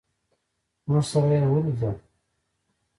زموږ سره یې ولیدل.